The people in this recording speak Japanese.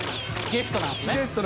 ゲストなんですね。